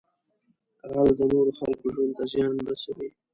غل د نورو خلکو ژوند ته زیان رسوي